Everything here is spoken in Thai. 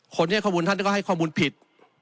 ให้ข้อมูลท่านก็ให้ข้อมูลผิด